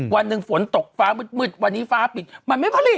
วันหนึ่งฝนตกฟ้ามืดวันนี้ฟ้าปิดมันไม่ผลิต